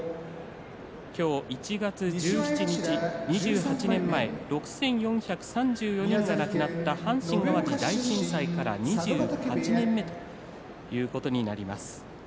今日１月２７日、２８年前６４３５人が亡くなった阪神・淡路大震災から２８年目ということになりました。